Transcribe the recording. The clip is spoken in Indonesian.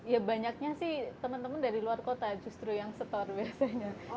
ya banyaknya sih teman teman dari luar kota justru yang setor biasanya